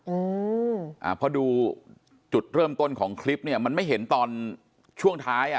อืมอ่าพอดูจุดเริ่มต้นของคลิปเนี้ยมันไม่เห็นตอนช่วงท้ายอ่ะ